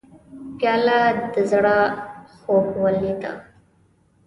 پیاله د زړه خوږلۍ ده.